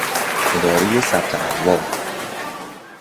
اداره ثبت احوال